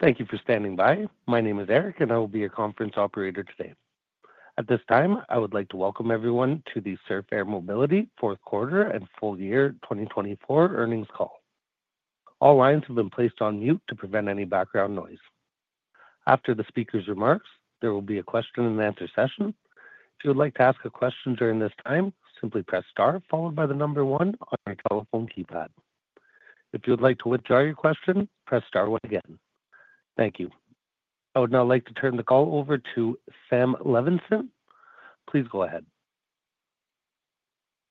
Thank you for standing by. My name is Eric, and I will be your conference operator today. At this time, I would like to welcome everyone to the Surf Air Mobility Fourth Quarter And Full Year 2024 Earnings Call. All lines have been placed on mute to prevent any background noise. After the speaker's remarks, there will be a question-and-answer session. If you would like to ask a question during this time, simply press star followed by the number one on your telephone keypad. If you would like to withdraw your question, press star again. Thank you. I would now like to turn the call over to Sam Levenson. Please go ahead.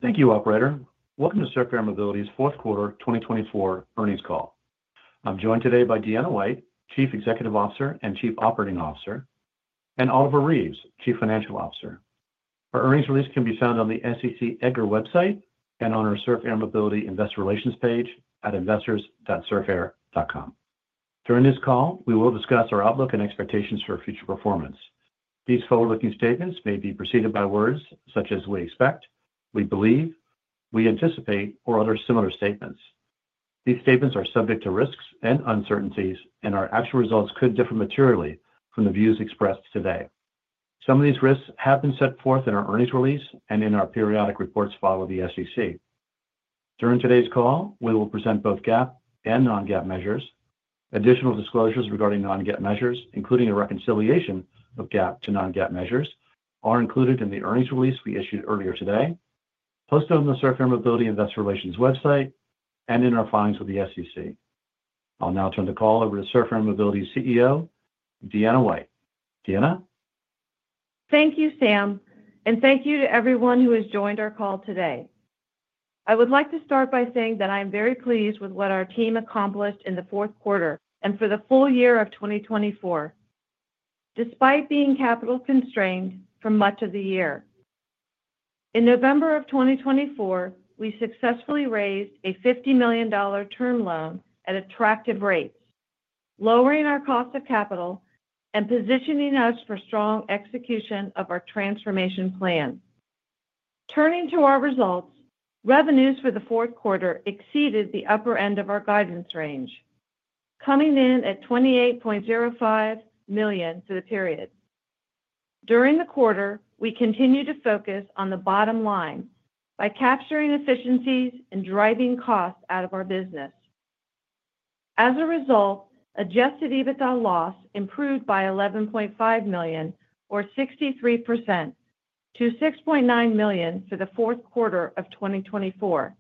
Thank you, Operator. Welcome to Surf Air Mobility's Fourth Quarter 2024 Earnings Call. I'm joined today by Deanna White, Chief Executive Officer and Chief Operating Officer, and Oliver Reeves, Chief Financial Officer. Our earnings release can be found on the SEC EDGAR website and on our Surf Air Mobility Investor Relations page at investors.surfair.com. During this call, we will discuss our outlook and expectations for future performance. These forward-looking statements may be preceded by words such as "we expect," "we believe," "we anticipate," or other similar statements. These statements are subject to risks and uncertainties, and our actual results could differ materially from the views expressed today. Some of these risks have been set forth in our earnings release and in our periodic reports filed with the SEC. During today's call, we will present both GAAP and non-GAAP measures. Additional disclosures regarding non-GAAP measures, including a reconciliation of GAAP to non-GAAP measures, are included in the earnings release we issued earlier today, posted on the Surf Air Mobility Investor Relations website, and in our filings with the SEC. I'll now turn the call over to Surf Air Mobility's CEO, Deanna White. Deanna? Thank you, Sam, and thank you to everyone who has joined our call today. I would like to start by saying that I am very pleased with what our team accomplished in the fourth quarter and for the full year of 2024, despite being capital constrained for much of the year. In November of 2024, we successfully raised a $50 million term loan at attractive rates, lowering our cost of capital and positioning us for strong execution of our transformation plan. Turning to our results, revenues for the fourth quarter exceeded the upper end of our guidance range, coming in at $28.05 million for the period. During the quarter, we continued to focus on the bottom line by capturing efficiencies and driving costs out of our business. As a result, adjusted EBITDA loss improved by $11.5 million, or 63%, to $6.9 million for the fourth quarter of 2024,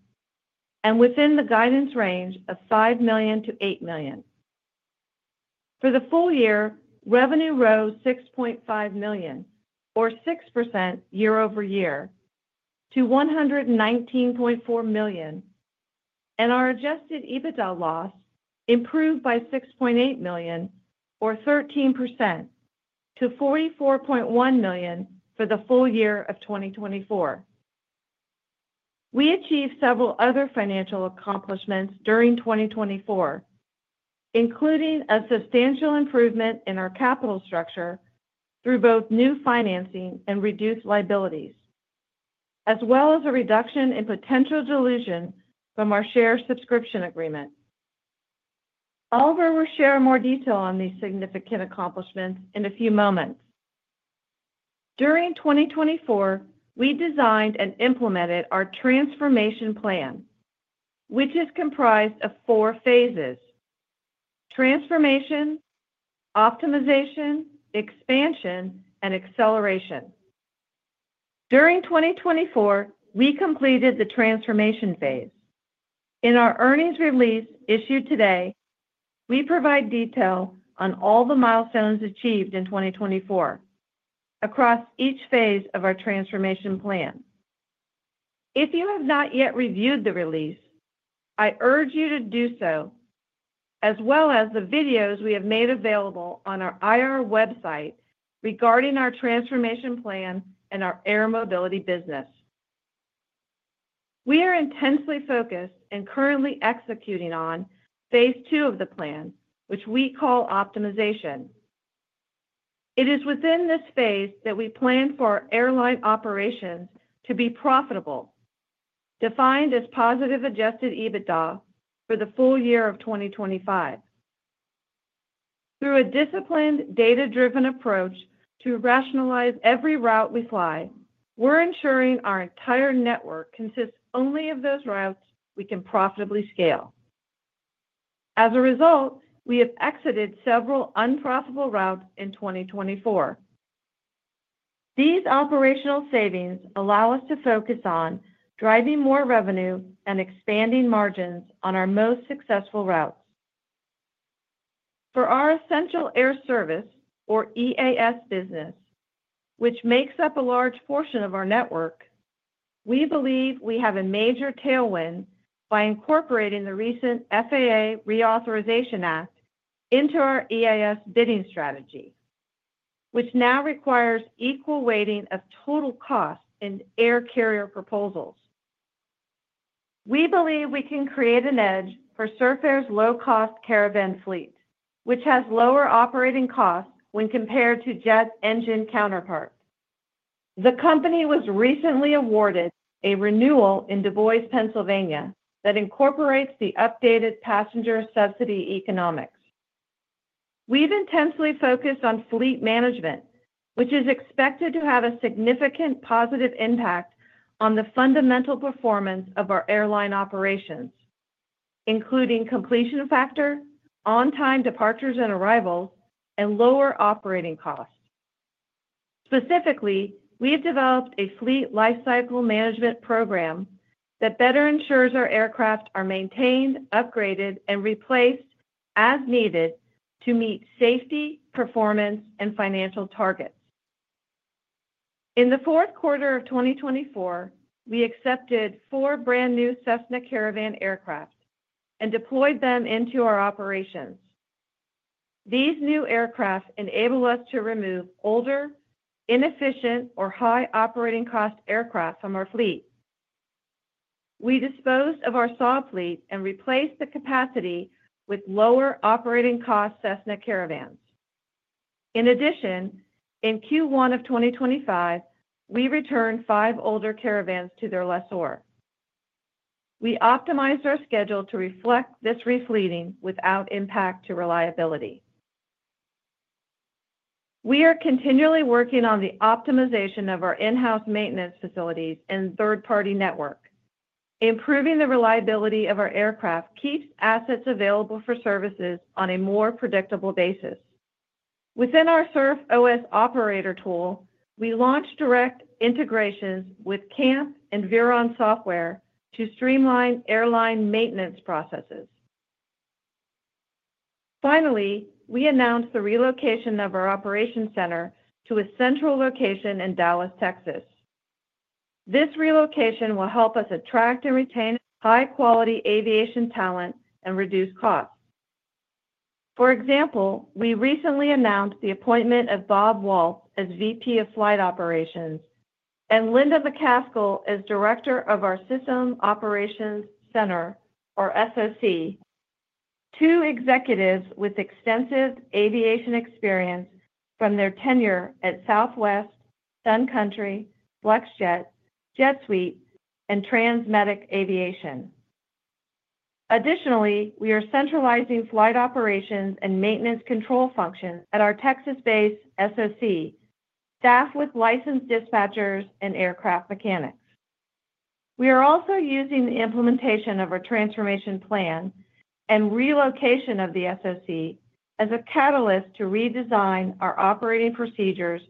and within the guidance range of $5 million-$8 million. For the full year, revenue rose $6.5 million, or 6% year over year, to $119.4 million, and our adjusted EBITDA loss improved by $6.8 million, or 13%, to $44.1 million for the full year of 2024. We achieved several other financial accomplishments during 2024, including a substantial improvement in our capital structure through both new financing and reduced liabilities, as well as a reduction in potential dilution from our share subscription agreement. Oliver will share more detail on these significant accomplishments in a few moments. During 2024, we designed and implemented our transformation plan, which is comprised of four phases: transformation, optimization, expansion, and acceleration. During 2024, we completed the transformation phase. In our earnings release issued today, we provide detail on all the milestones achieved in 2024 across each phase of our transformation plan. If you have not yet reviewed the release, I urge you to do so, as well as the videos we have made available on our IR website regarding our transformation plan and our Air Mobility business. We are intensely focused and currently executing on phase two of the plan, which we call optimization. It is within this phase that we plan for our airline operations to be profitable, defined as positive adjusted EBITDA for the full year of 2025. Through a disciplined, data-driven approach to rationalize every route we fly, we're ensuring our entire network consists only of those routes we can profitably scale. As a result, we have exited several unprofitable routes in 2024. These operational savings allow us to focus on driving more revenue and expanding margins on our most successful routes. For our Essential Air Service, or EAS, business, which makes up a large portion of our network, we believe we have a major tailwind by incorporating the recent FAA Reauthorization Act into our EAS bidding strategy, which now requires equal weighting of total costs in air carrier proposals. We believe we can create an edge for Surf Air's low-cost Caravan fleet, which has lower operating costs when compared to jet engine counterparts. The company was recently awarded a renewal in DuBois, Pennsylvania, that incorporates the updated passenger subsidy economics. We've intensely focused on fleet management, which is expected to have a significant positive impact on the fundamental performance of our airline operations, including completion factor, on-time departures and arrivals, and lower operating costs. Specifically, we have developed a fleet lifecycle management program that better ensures our aircraft are maintained, upgraded, and replaced as needed to meet safety, performance, and financial targets. In the fourth quarter of 2024, we accepted four brand-new Cessna Caravan aircraft and deployed them into our operations. These new aircraft enable us to remove older, inefficient, or high operating cost aircraft from our fleet. We disposed of our Saab fleet and replaced the capacity with lower operating cost Cessna Caravans. In addition, in Q1 of 2025, we returned five older Caravans to their lessor. We optimized our schedule to reflect this refleeting without impact to reliability. We are continually working on the optimization of our in-house maintenance facilities and third-party network. Improving the reliability of our aircraft keeps assets available for services on a more predictable basis. Within our SurfOS Operator tool, we launched direct integrations with CAMP and Veryon software to streamline airline maintenance processes. Finally, we announced the relocation of our operations center to a central location in Dallas, Texas. This relocation will help us attract and retain high-quality aviation talent and reduce costs. For example, we recently announced the appointment of Bob Waltz as VP of Flight Operations and Linda McCaskill as Director of our System Operations Center, or SOC, two executives with extensive aviation experience from their tenure at Southwest, Sun Country, Flexjet, JetSuite, and TransMedics Aviation. Additionally, we are centralizing flight operations and maintenance control functions at our Texas-based SOC, staffed with licensed dispatchers and aircraft mechanics. We are also using the implementation of our transformation plan and relocation of the SOC as a catalyst to redesign our operating procedures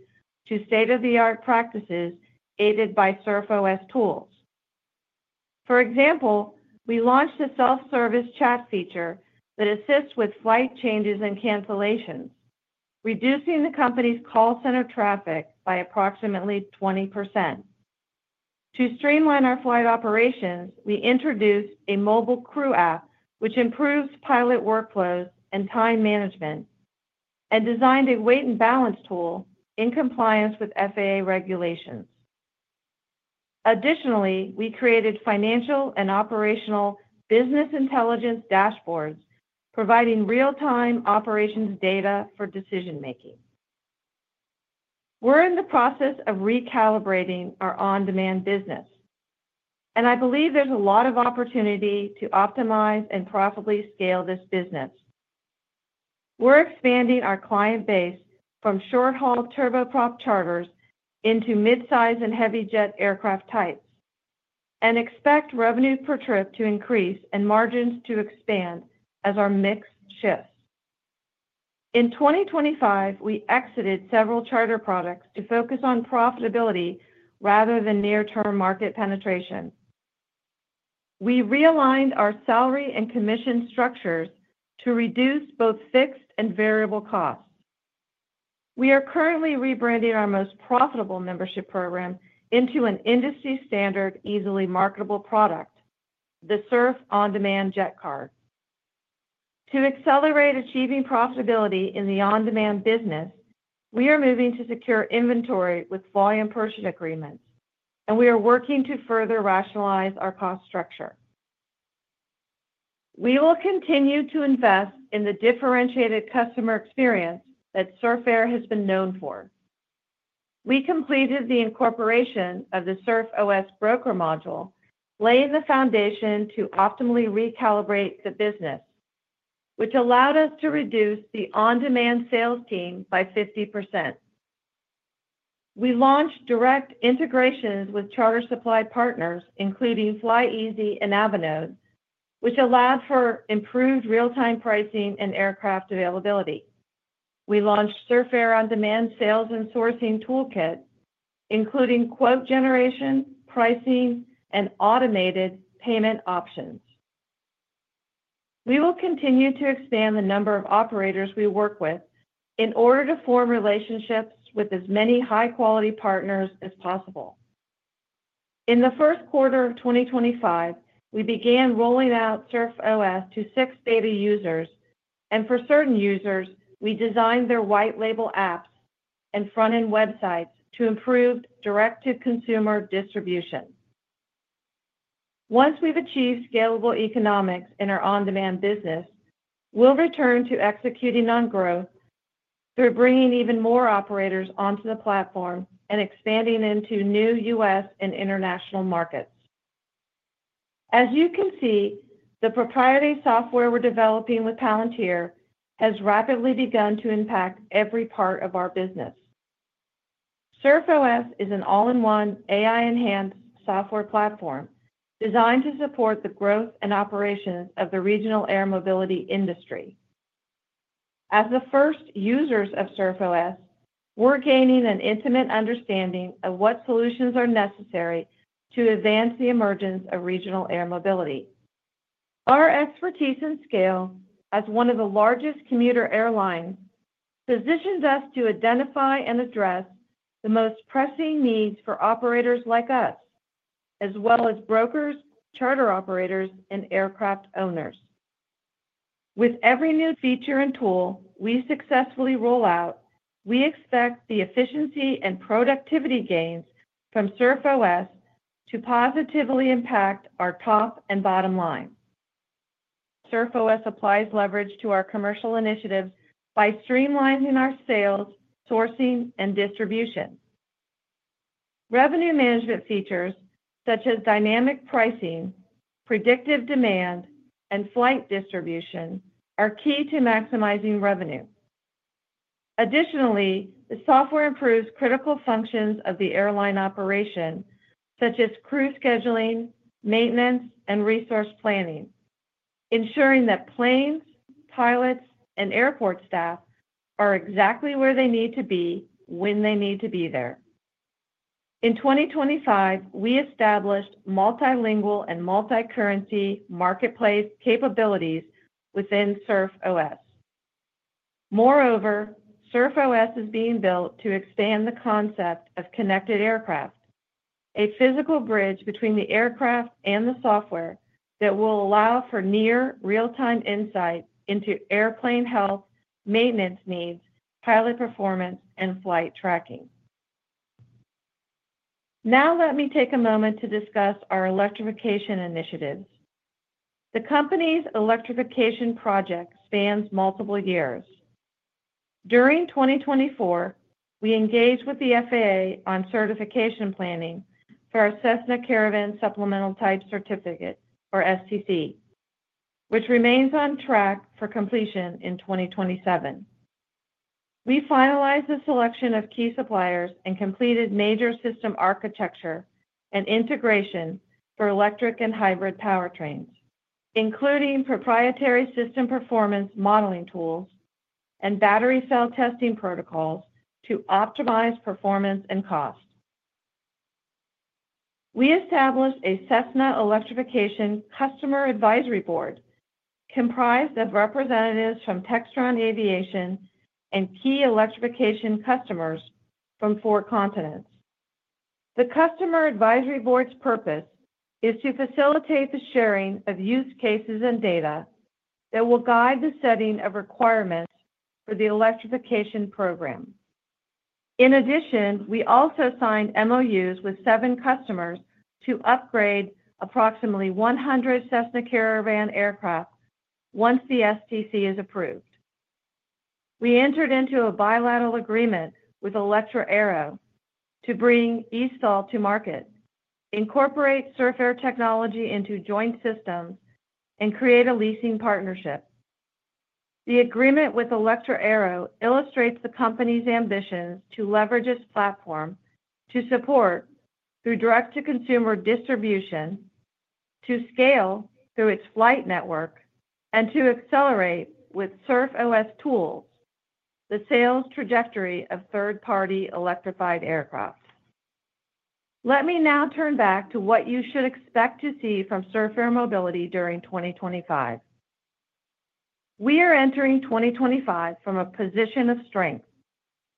to state-of-the-art practices aided by SurfOS tools. For example, we launched a self-service chat feature that assists with flight changes and cancellations, reducing the company's call center traffic by approximately 20%. To streamline our flight operations, we introduced a mobile CrewApp, which improves pilot workflows and time management, and designed a weight and balance tool in compliance with FAA regulations. Additionally, we created financial and operational business intelligence dashboards, providing real-time operations data for decision-making. We're in the process of recalibrating our on-demand business, and I believe there's a lot of opportunity to optimize and profitably scale this business. We're expanding our client base from short-haul turboprop charters into mid-size and heavy jet aircraft types and expect revenue per trip to increase and margins to expand as our mix shifts. In 2025, we exited several charter products to focus on profitability rather than near-term market penetration. We realigned our salary and commission structures to reduce both fixed and variable costs. We are currently rebranding our most profitable membership program into an industry-standard, easily marketable product, the Surf On-Demand Jet Card. To accelerate achieving profitability in the on-demand business, we are moving to secure inventory with volume purchase agreements, and we are working to further rationalize our cost structure. We will continue to invest in the differentiated customer experience that Surf Air has been known for. We completed the incorporation of the SurfOS broker module, laying the foundation to optimally recalibrate the business, which allowed us to reduce the on-demand sales team by 50%. We launched direct integrations with charter supply partners, including FlyEasy and Avinode, which allowed for improved real-time pricing and aircraft availability. We launched Surf Air On-Demand sales and sourcing toolkit, including quote generation, pricing, and automated payment options. We will continue to expand the number of operators we work with in order to form relationships with as many high-quality partners as possible. In the first quarter of 2025, we began rolling out SurfOS to six beta users, and for certain users, we designed their white-label apps and front-end websites to improve direct-to-consumer distribution. Once we've achieved scalable economics in our on-demand business, we'll return to executing on growth through bringing even more operators onto the platform and expanding into new U.S. and international markets. As you can see, the proprietary software we're developing with Palantir has rapidly begun to impact every part of our business. SurfOS is an all-in-one AI-enhanced software platform designed to support the growth and operations of the regional air mobility industry. As the first users of SurfOS, we're gaining an intimate understanding of what solutions are necessary to advance the emergence of regional air mobility. Our expertise and scale as one of the largest commuter airlines positions us to identify and address the most pressing needs for operators like us, as well as brokers, charter operators, and aircraft owners. With every new feature and tool we successfully roll out, we expect the efficiency and productivity gains from SurfOS to positively impact our top and bottom line. SurfOS applies leverage to our commercial initiatives by streamlining our sales, sourcing, and distribution. Revenue management features such as dynamic pricing, predictive demand, and flight distribution are key to maximizing revenue. Additionally, the software improves critical functions of the airline operation, such as crew scheduling, maintenance, and resource planning, ensuring that planes, pilots, and airport staff are exactly where they need to be when they need to be there. In 2025, we established multilingual and multi-currency marketplace capabilities within SurfOS. Moreover, SurfOS is being built to expand the concept of connected aircraft, a physical bridge between the aircraft and the software that will allow for near real-time insight into airplane health, maintenance needs, pilot performance, and flight tracking. Now let me take a moment to discuss our electrification initiatives. The company's electrification project spans multiple years. During 2024, we engaged with the FAA on certification planning for our Cessna Caravan Supplemental Type Certificate, or STC, which remains on track for completion in 2027. We finalized the selection of key suppliers and completed major system architecture and integration for electric and hybrid powertrains, including proprietary system performance modeling tools and battery cell testing protocols to optimize performance and cost. We established a Cessna Electrification Customer Advisory Board comprised of representatives from Textron Aviation and key electrification customers from four continents. The customer advisory board's purpose is to facilitate the sharing of use cases and data that will guide the setting of requirements for the electrification program. In addition, we also signed MOUs with seven customers to upgrade approximately 100 Cessna Caravan aircraft once the STC is approved. We entered into a bilateral agreement with Electra.aero to bring eSTOL to market, incorporate Surf Air technology into joint systems, and create a leasing partnership. The agreement with Electra.aero illustrates the company's ambitions to leverage its platform to support through direct-to-consumer distribution, to scale through its flight network, and to accelerate with SurfOS tools the sales trajectory of third-party electrified aircraft. Let me now turn back to what you should expect to see from Surf Air Mobility during 2025. We are entering 2025 from a position of strength,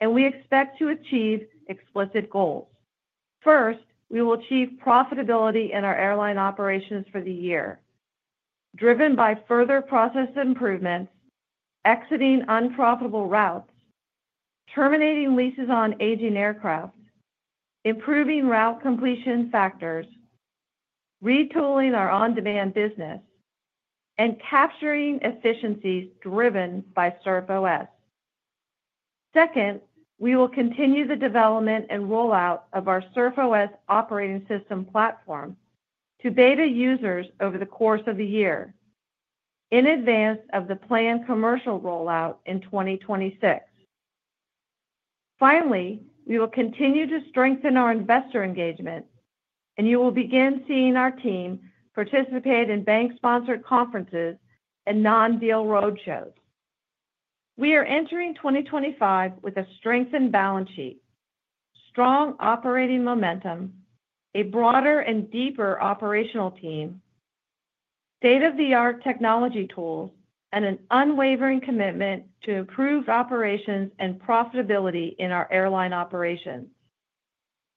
and we expect to achieve explicit goals. First, we will achieve profitability in our airline operations for the year, driven by further process improvements, exiting unprofitable routes, terminating leases on aging aircraft, improving route completion factors, retooling our on-demand business, and capturing efficiencies driven by SurfOS. Second, we will continue the development and rollout of our SurfOS operating system platform to beta users over the course of the year, in advance of the planned commercial rollout in 2026. Finally, we will continue to strengthen our investor engagement, and you will begin seeing our team participate in bank-sponsored conferences and non-deal road shows. We are entering 2025 with a strengthened balance sheet, strong operating momentum, a broader and deeper operational team, state-of-the-art technology tools, and an unwavering commitment to improved operations and profitability in our airline operations.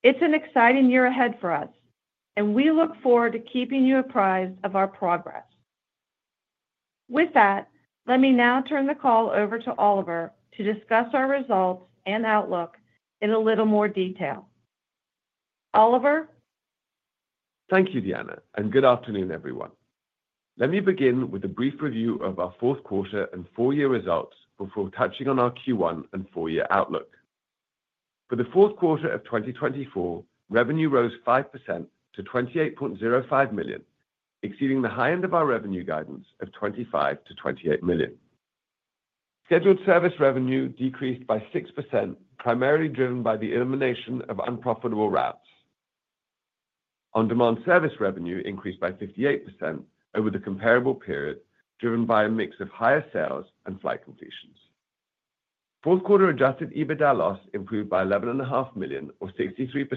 It's an exciting year ahead for us, and we look forward to keeping you apprised of our progress. With that, let me now turn the call over to Oliver to discuss our results and outlook in a little more detail. Oliver. Thank you, Deanna, and good afternoon, everyone. Let me begin with a brief review of our fourth quarter and full-year results before touching on our Q1 and full-year outlook. For the fourth quarter of 2024, revenue rose 5% to $28.05 million, exceeding the high end of our revenue guidance of $25-$28 million. Scheduled service revenue decreased by 6%, primarily driven by the elimination of unprofitable routes. On-demand service revenue increased by 58% over the comparable period, driven by a mix of higher sales and flight completions. Fourth quarter adjusted EBITDA loss improved by $11.5 million, or 63%,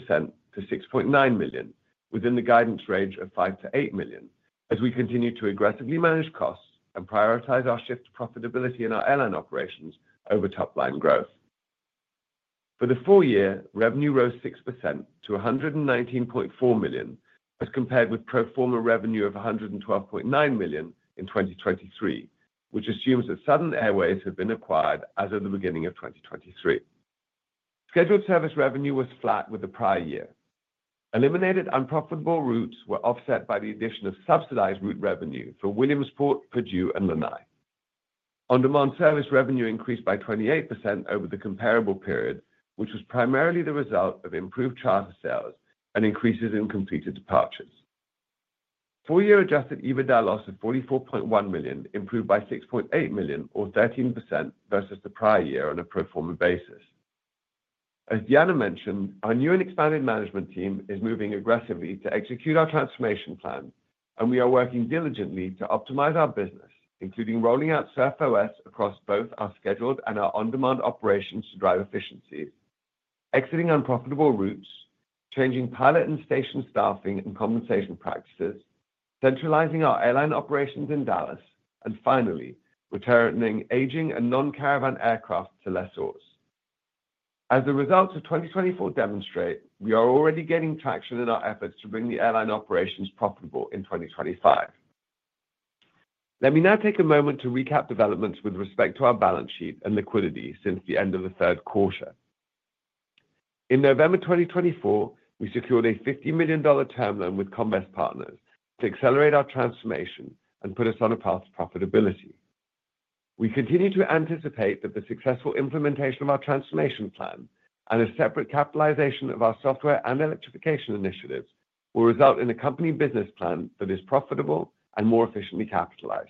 to $6.9 million, within the guidance range of $5-$8 million, as we continue to aggressively manage costs and prioritize our shift to profitability in our airline operations over top-line growth. For the full year, revenue rose 6% to $119.4 million, as compared with pro forma revenue of $112.9 million in 2023, which assumes that Surf Air Mobility has been acquired as of the beginning of 2023. Scheduled service revenue was flat with the prior year. Eliminated unprofitable routes were offset by the addition of subsidized route revenue for Williamsport, Purdue, and Lanai. On-demand service revenue increased by 28% over the comparable period, which was primarily the result of improved charter sales and increases in completed departures. Full-year adjusted EBITDA loss of $44.1 million improved by $6.8 million, or 13% versus the prior year on a pro forma basis. As Deanna mentioned, our new and expanded management team is moving aggressively to execute our Transformation Plan, and we are working diligently to optimize our business, including rolling out SurfOS across both our scheduled and our on-demand operations to drive efficiencies, exiting unprofitable routes, changing pilot and station staffing and compensation practices, centralizing our airline operations in Dallas, and finally, returning aging and non-Caravan aircraft to lessors. As the results of 2024 demonstrate, we are already gaining traction in our efforts to bring the airline operations profitable in 2025. Let me now take a moment to recap developments with respect to our balance sheet and liquidity since the end of the third quarter. In November 2024, we secured a $50 million term loan with Comvest Partners to accelerate our transformation and put us on a path to profitability. We continue to anticipate that the successful implementation of our transformation plan and a separate capitalization of our software and electrification initiatives will result in a company business plan that is profitable and more efficiently capitalized.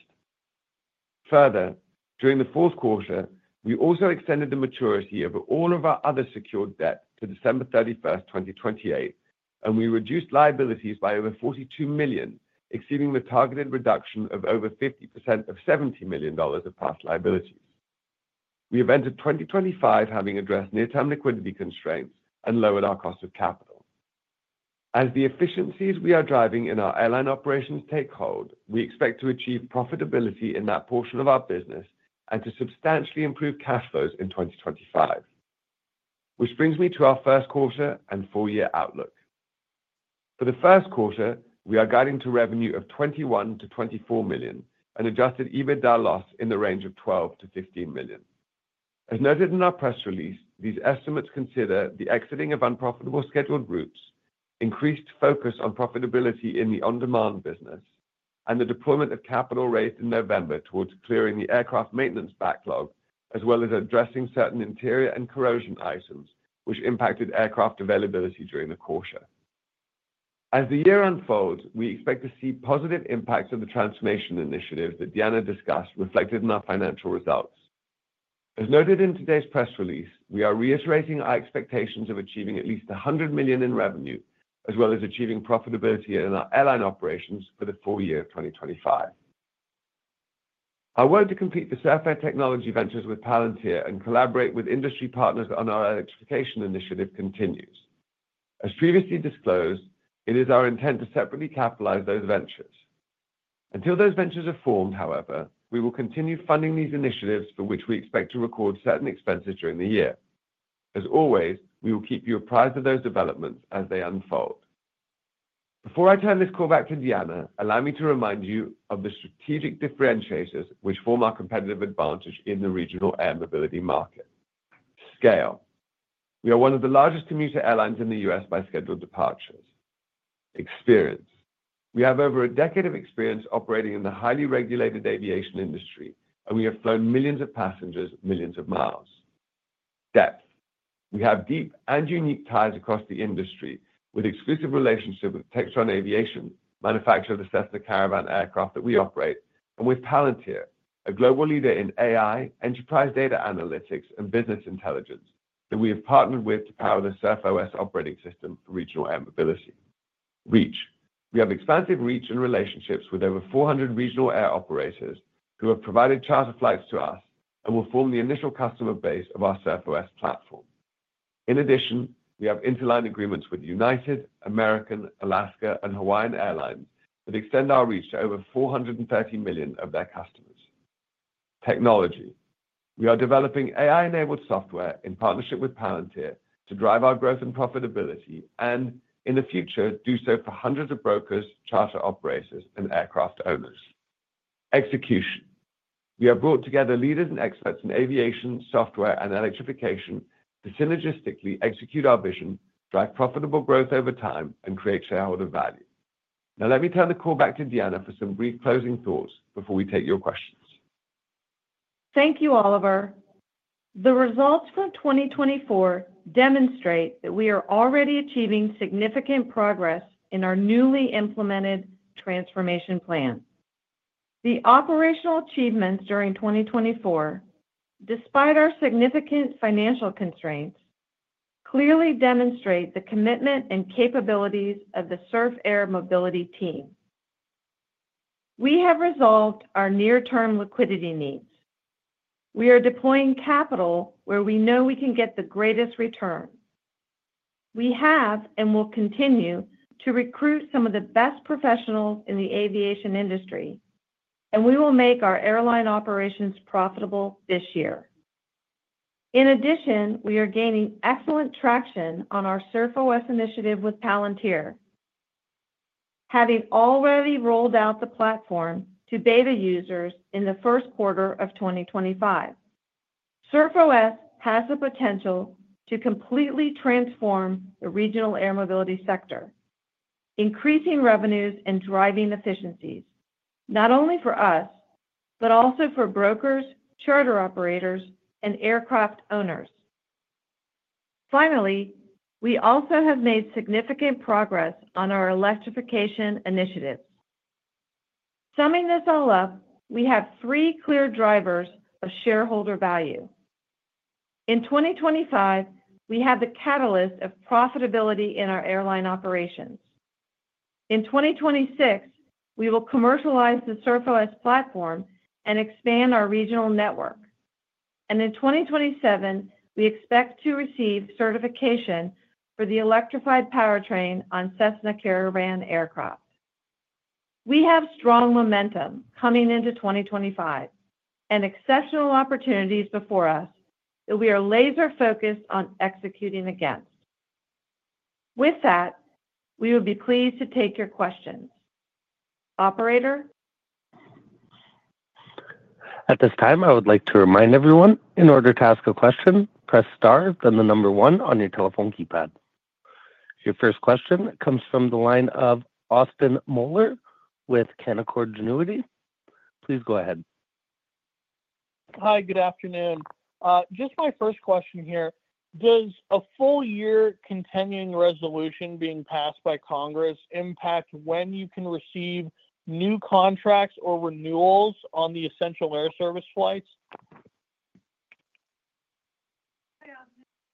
Further, during the fourth quarter, we also extended the maturity of all of our other secured debt to December 31, 2028, and we reduced liabilities by over $42 million, exceeding the targeted reduction of over 50% of $70 million of past liabilities. We have entered 2025 having addressed near-term liquidity constraints and lowered our cost of capital. As the efficiencies we are driving in our airline operations take hold, we expect to achieve profitability in that portion of our business and to substantially improve cash flows in 2025. Which brings me to our first quarter and full-year outlook. For the first quarter, we are guiding to revenue of $21 million-$24 million and adjusted EBITDA loss in the range of $12 million-$15 million. As noted in our press release, these estimates consider the exiting of unprofitable scheduled routes, increased focus on profitability in the on-demand business, and the deployment of capital raised in November towards clearing the aircraft maintenance backlog, as well as addressing certain interior and corrosion items which impacted aircraft availability during the quarter. As the year unfolds, we expect to see positive impacts of the transformation initiatives that Deanna discussed reflected in our financial results. As noted in today's press release, we are reiterating our expectations of achieving at least $100 million in revenue, as well as achieving profitability in our airline operations for the full year of 2025. Our work to complete the Surf Air Mobility technology ventures with Palantir and collaborate with industry partners on our electrification initiative continues. As previously disclosed, it is our intent to separately capitalize those ventures. Until those ventures are formed, however, we will continue funding these initiatives for which we expect to record certain expenses during the year. As always, we will keep you apprised of those developments as they unfold. Before I turn this call back to Deanna, allow me to remind you of the strategic differentiators which form our competitive advantage in the regional air mobility market. Scale. We are one of the largest commuter airlines in the U.S. by scheduled departures. Experience. We have over a decade of experience operating in the highly regulated aviation industry, and we have flown millions of passengers millions of miles. Depth. We have deep and unique ties across the industry with exclusive relationships with Textron Aviation, manufacturer of the Cessna Caravan aircraft that we operate, and with Palantir, a global leader in AI, enterprise data analytics, and business intelligence that we have partnered with to power the SurfOS operating system for regional air mobility. Reach. We have expansive reach and relationships with over 400 regional air operators who have provided charter flights to us and will form the initial customer base of our SurfOS platform. In addition, we have interline agreements with United, American, Alaska, and Hawaiian Airlines that extend our reach to over 430 million of their customers. Technology. We are developing AI-enabled software in partnership with Palantir to drive our growth and profitability and, in the future, do so for hundreds of brokers, charter operators, and aircraft owners. Execution. We have brought together leaders and experts in aviation, software, and electrification to synergistically execute our vision, drive profitable growth over time, and create shareholder value. Now let me turn the call back to Deanna for some brief closing thoughts before we take your questions. Thank you, Oliver. The results for 2024 demonstrate that we are already achieving significant progress in our newly implemented Transformation Plan. The operational achievements during 2024, despite our significant financial constraints, clearly demonstrate the commitment and capabilities of the Surf Air Mobility team. We have resolved our near-term liquidity needs. We are deploying capital where we know we can get the greatest return. We have and will continue to recruit some of the best professionals in the aviation industry, and we will make our airline operations profitable this year. In addition, we are gaining excellent traction on our SurfOS initiative with Palantir, having already rolled out the platform to beta users in the first quarter of 2025. SurfOS has the potential to completely transform the regional air mobility sector, increasing revenues and driving efficiencies, not only for us, but also for brokers, charter operators, and aircraft owners. Finally, we also have made significant progress on our electrification initiatives. Summing this all up, we have three clear drivers of shareholder value. In 2025, we have the catalyst of profitability in our airline operations. In 2026, we will commercialize the SurfOS platform and expand our regional network. In 2027, we expect to receive certification for the electrified powertrain on Cessna Caravan aircraft. We have strong momentum coming into 2025 and exceptional opportunities before us that we are laser-focused on executing against. With that, we would be pleased to take your questions. Operator. At this time, I would like to remind everyone, in order to ask a question, press Star, then the number one on your telephone keypad. Your first question comes from the line of Austin Moeller with Canaccord Genuity. Please go ahead. Hi, good afternoon. Just my first question here. Does a full-year continuing resolution being passed by Congress impact when you can receive new contracts or renewals on the Essential Air Service flights?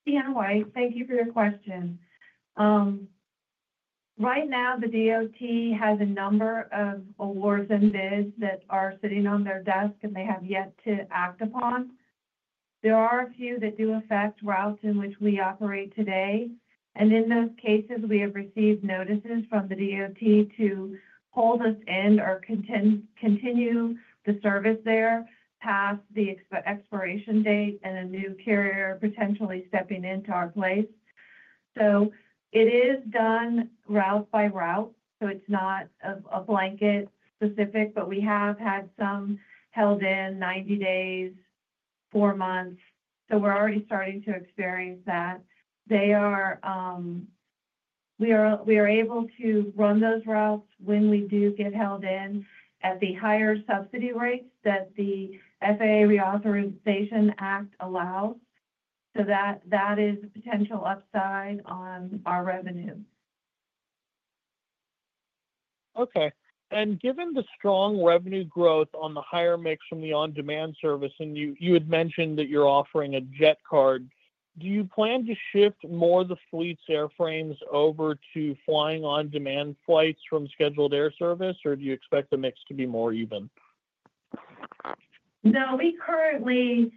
Deanna White, thank you for your question. Right now, the DOT has a number of awards and bids that are sitting on their desk, and they have yet to act upon. There are a few that do affect routes in which we operate today. In those cases, we have received notices from the DOT to hold us in or continue the service there past the expiration date and a new carrier potentially stepping into our place. It is done route by route, so it's not a blanket specific, but we have had some held in 90 days, four months. We're already starting to experience that. We are able to run those routes when we do get held in at the higher subsidy rates that the FAA Reauthorization Act allows. That is a potential upside on our revenue. Okay. Given the strong revenue growth on the higher mix from the on-demand service, and you had mentioned that you're offering a jet card, do you plan to shift more of the fleet's airframes over to flying on-demand flights from scheduled air service, or do you expect the mix to be more even? No, we currently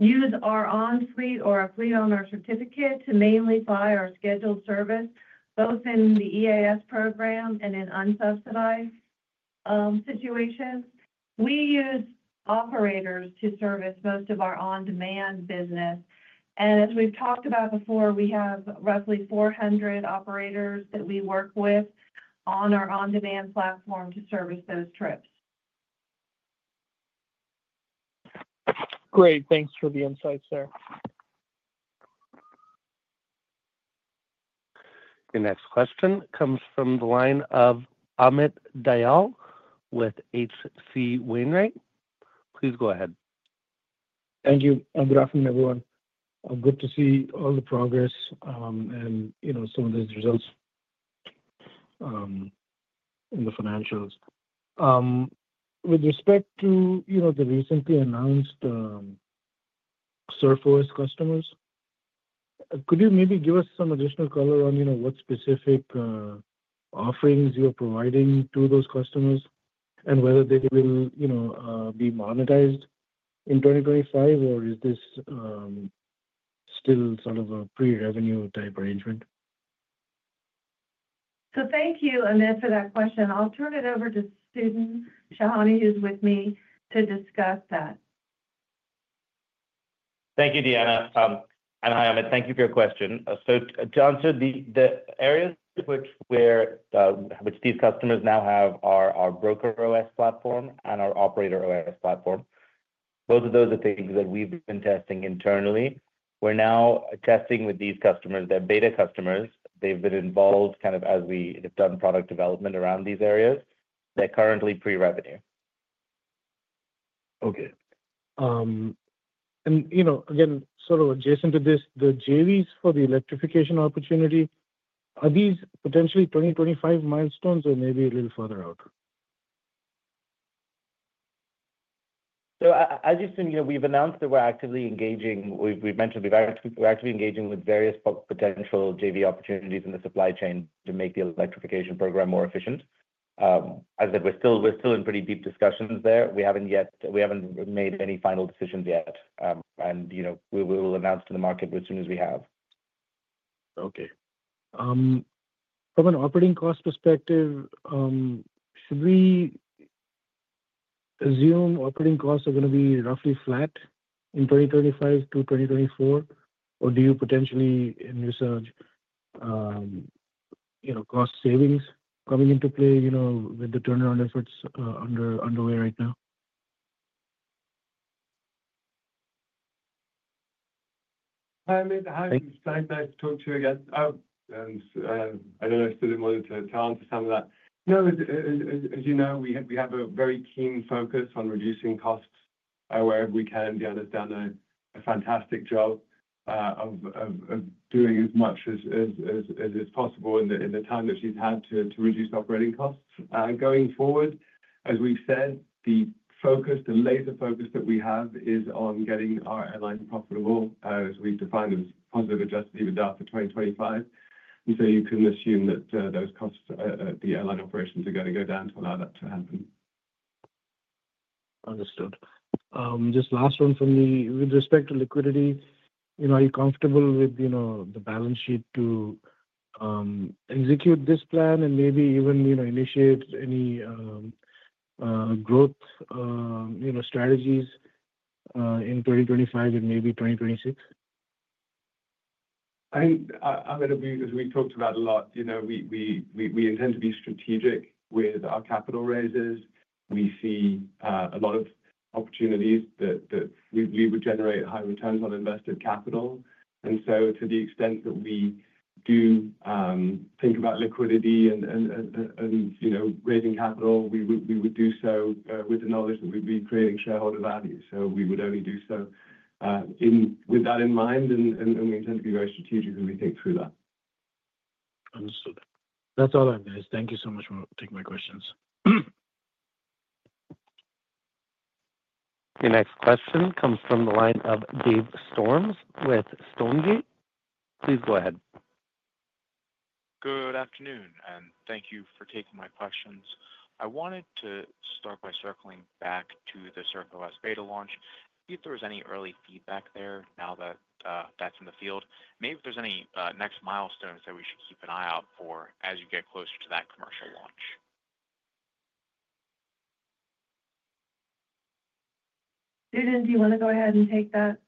use our on-fleet or our fleet-owner certificate to mainly fly our scheduled service, both in the EAS program and in unsubsidized situations. We use operators to service most of our on-demand business. As we've talked about before, we have roughly 400 operators that we work with on our on-demand platform to service those trips. Great. Thanks for the insights there. The next question comes from the line of Amit Dayal with H.C. Wainwright. Please go ahead. Thank you. Good afternoon, everyone. Good to see all the progress and some of these results in the financials. With respect to the recently announced SurfOS customers, could you maybe give us some additional color on what specific offerings you are providing to those customers and whether they will be monetized in 2025, or is this still sort of a pre-revenue type arrangement? Thank you, Amit, for that question. I'll turn it over to Sudhin Shahani, who's with me, to discuss that. Thank you, Deanna. Hi, Amit. Thank you for your question. To answer, the areas which these customers now have are our BrokerOS platform and our OperatorOS platform. Both of those are things that we've been testing internally. We're now testing with these customers. They're beta customers. They've been involved kind of as we have done product development around these areas. They're currently pre-revenue. Okay. Again, sort of adjacent to this, the JVs for the electrification opportunity, are these potentially 2025 milestones or maybe a little further out? As you've seen, we've announced that we're actively engaging. We've mentioned we're actively engaging with various potential JV opportunities in the supply chain to make the electrification program more efficient. As I said, we're still in pretty deep discussions there. We haven't made any final decisions yet. We will announce to the market as soon as we have. Okay. From an operating cost perspective, should we assume operating costs are going to be roughly flat in 2025 to 2024, or do you potentially see any sort of cost savings coming into play with the turnaround efforts underway right now? Hi, Amit. I'm excited to talk to you again. I don't know if Sudhin wanted to add to some of that. No, as you know, we have a very keen focus on reducing costs wherever we can. Deanna's done a fantastic job of doing as much as it's possible in the time that she's had to reduce operating costs. Going forward, as we've said, the focus, the laser focus that we have is on getting our airline profitable as we define as positive adjusted EBITDA for 2025. You can assume that those costs at the airline operations are going to go down to allow that to happen. Understood. Just last one from me. With respect to liquidity, are you comfortable with the balance sheet to execute this plan and maybe even initiate any growth strategies in 2025 and maybe 2026? I'm going to be as we talked about a lot. We intend to be strategic with our capital raises. We see a lot of opportunities that we believe would generate high returns on invested capital. To the extent that we do think about liquidity and raising capital, we would do so with the knowledge that we'd be creating shareholder value. We would only do so with that in mind, and we intend to be very strategic as we think through that. Understood. That's all I have, guys. Thank you so much for taking my questions. The next question comes from the line of Dave Storms with Stonegate. Please go ahead. Good afternoon, and thank you for taking my questions. I wanted to start by circling back to the SurfOS beta launch. See if there was any early feedback there now that that's in the field. Maybe if there's any next milestones that we should keep an eye out for as you get closer to that commercial launch. Sudhin, do you want to go ahead and take that?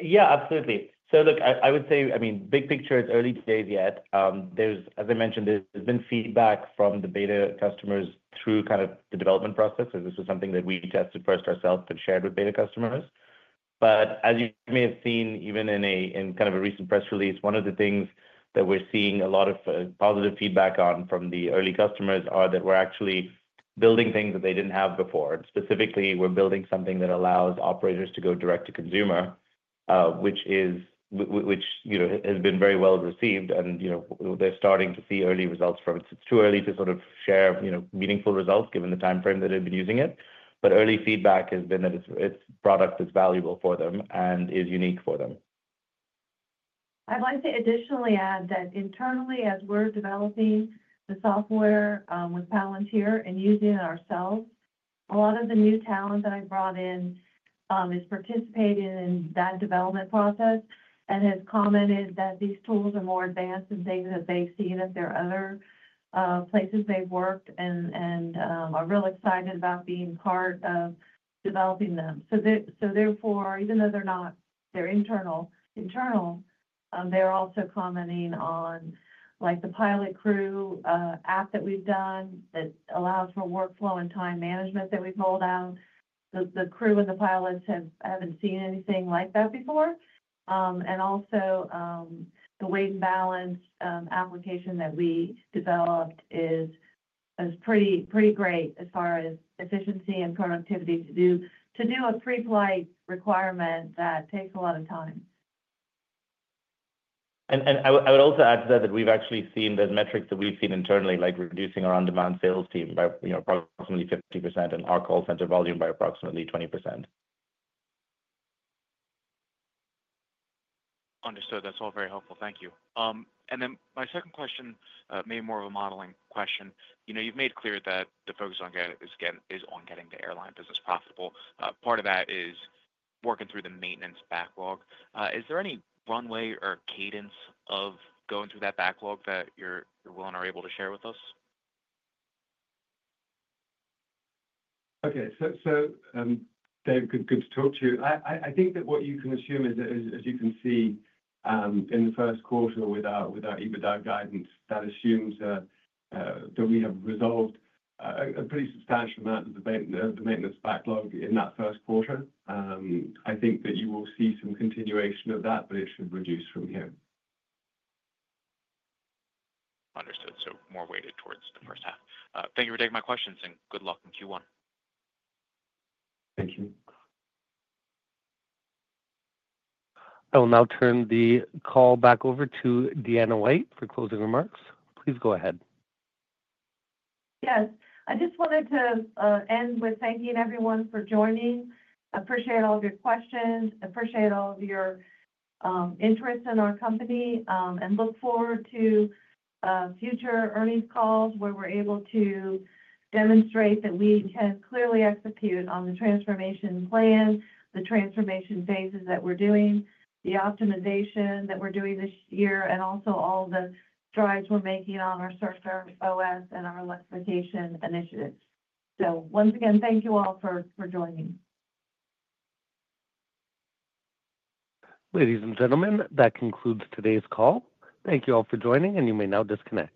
Yeah, absolutely. Look, I would say, I mean, big picture, it's early days yet. As I mentioned, there's been feedback from the beta customers through kind of the development process. This is something that we tested first ourselves and shared with beta customers. As you may have seen, even in kind of a recent press release, one of the things that we're seeing a lot of positive feedback on from the early customers is that we're actually building things that they didn't have before. Specifically, we're building something that allows operators to go direct to consumer, which has been very well received. They're starting to see early results from it. It's too early to sort of share meaningful results given the timeframe that they've been using it. Early feedback has been that its product is valuable for them and is unique for them. I'd like to additionally add that internally, as we're developing the software with Palantir and using it ourselves, a lot of the new talent that I brought in is participating in that development process and has commented that these tools are more advanced than things that they've seen at their other places they've worked and are real excited about being part of developing them. Therefore, even though they're internal, they're also commenting on the pilot CrewApp that we've done that allows for workflow and time management that we've rolled out. The crew and the pilots haven't seen anything like that before. Also, the weight and balance application that we developed is pretty great as far as efficiency and productivity to do a pre-flight requirement that takes a lot of time. I would also add to that that we've actually seen the metrics that we've seen internally, like reducing our on-demand sales team by approximately 50% and our call center volume by approximately 20%. Understood. That's all very helpful. Thank you. My second question, maybe more of a modeling question. You've made clear that the focus on getting the airline business profitable. Part of that is working through the maintenance backlog. Is there any runway or cadence of going through that backlog that you're willing or able to share with us? Okay. Dave, good to talk to you. I think that what you can assume is, as you can see in the first quarter with our EBITDA guidance, that assumes that we have resolved a pretty substantial amount of the maintenance backlog in that first quarter. I think that you will see some continuation of that, but it should reduce from here. Understood. So more weighted towards the first half. Thank you for taking my questions, and good luck in Q1. Thank you. I will now turn the call back over to Deanna White for closing remarks. Please go ahead. Yes. I just wanted to end with thanking everyone for joining. I appreciate all of your questions. I appreciate all of your interest in our company and look forward to future earnings calls where we're able to demonstrate that we can clearly execute on the transformation plan, the transformation phases that we're doing, the optimization that we're doing this year, and also all the strides we're making on our SurfOS and our electrification initiatives. Once again, thank you all for joining. Ladies and gentlemen, that concludes today's call. Thank you all for joining, and you may now disconnect.